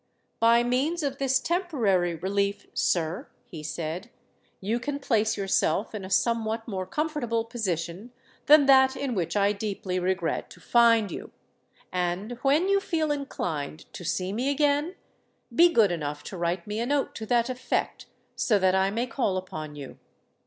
"By means of this temporary relief, sir," he said, "you can place yourself in a somewhat more comfortable position than that in which I deeply regret to find you; and, when you feel inclined to see me again, be good enough to write me a note to that effect, so that I may call upon you.